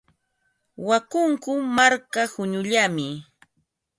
Wakunku marka quñullami.